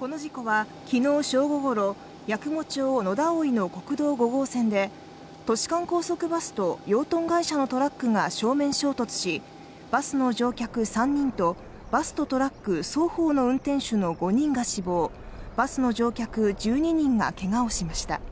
この事故は、昨日正午ごろ、八雲町野田生の国道５号線で都市間高速バスと、養豚会社のトラックが正面衝突し、バスの乗客３人とバスとトラック双方の運転手の５人が死亡バスの乗客１２人がけがをしました。